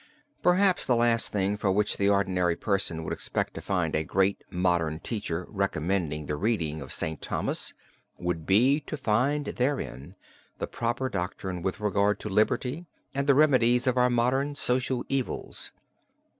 Perhaps the last thing for which the ordinary person would expect to find a great modern teacher recommending the reading of St. Thomas would be to find therein the proper doctrine with regard to liberty and the remedies for our modern social evils.